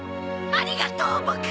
ありがとうボク！